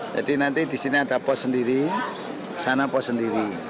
jadi nanti di sini ada pos sendiri sana pos sendiri